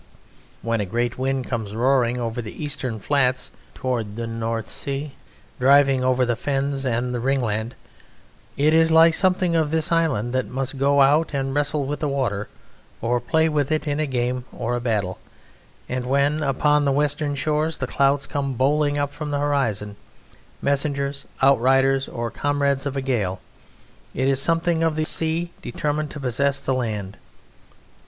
When a great wind comes roaring over the eastern flats towards the North Sea, driving over the Fens and the Wringland, it is like something of this island that must go out and wrestle with the water, or play with it in a game or a battle; and when, upon the western shores, the clouds come bowling up from the horizon, messengers, outriders, or comrades of a gale, it is something of the sea determined to possess the land.